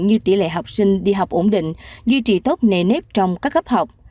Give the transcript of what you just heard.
như tỷ lệ học sinh đi học ổn định duy trì tốt nề nếp trong các gấp học